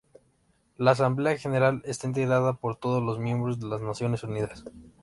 La Asamblea General está integrada por todos los Miembros de las Naciones Unidas.